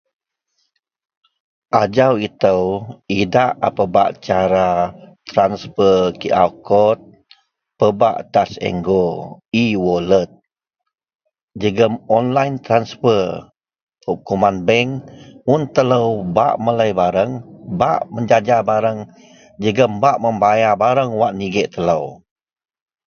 Ajau itou idak a Pebak cara transfer QR CODE, pebak touch n go, e-wallet jegem online transfer kuman bank. Un telou bak melei bareng, bak mejaja bareng jegem bak mebayar bareng wak nigek telou.